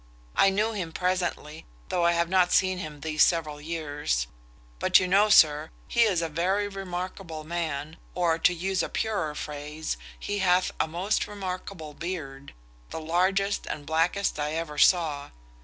I knew him presently, though I have not seen him these several years; but you know, sir, he is a very remarkable man, or, to use a purer phrase, he hath a most remarkable beard, the largest and blackest I ever saw.